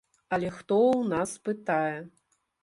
Але хто ў нас пытае?